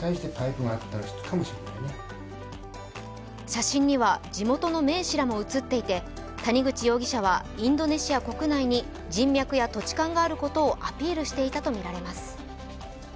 写真には地元の名士らも写っていて、谷口容疑者はインドネシア国内に人脈や土地勘があることをアピールしていたとみられます。